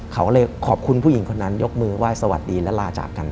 เขาเลยขอบคุณผู้หญิงคนนั้นยกมือไหว้สวัสดีและลาจากกัน